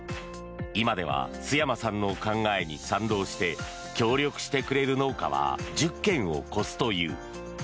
今では陶山さんの考えに賛同して協力してくれる農家は１０軒を超すという。